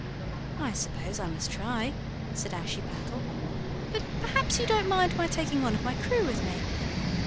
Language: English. "I suppose I must try," said Ashiepattle; "but perhaps you don't mind my taking one of my crew with me?"